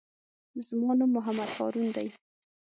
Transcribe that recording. زما نوم محمد هارون دئ.